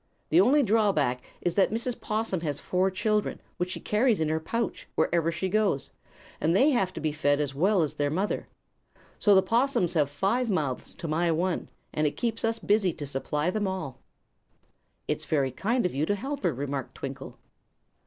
The only drawback is that Mrs. 'Possum has four children, which she carries in her pouch wherever she goes, and they have to be fed as well as their mother. So the 'possums have five mouths to my one, and it keeps us busy to supply them all." "It's very kind of you to help her," remarked Twinkle.